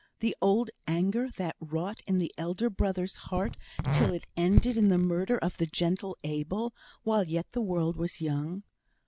The old anger that wrought in the elder brother's heart, till it ended in the murder of the gentle Abel, while yet the world was young?"